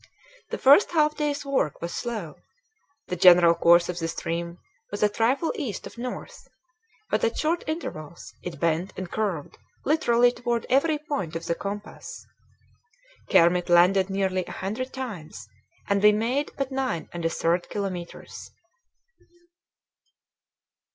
The first half day's work was slow. The general course of the stream was a trifle east of north, but at short intervals it bent and curved literally toward every point of the compass. Kermit landed nearly a hundred times, and we made but nine and a third kilometres.